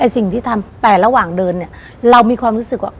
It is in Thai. สิ่งที่ทำแต่ระหว่างเดินเนี่ยเรามีความรู้สึกว่า